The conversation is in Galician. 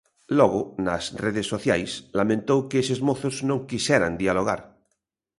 Logo, nas redes sociais, lamentou que eses mozos non quixeran dialogar.